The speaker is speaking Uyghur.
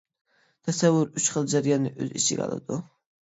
تەسەۋۋۇر ئۈچ خىل جەرياننى ئۆز ئىچىگە ئالىدۇ.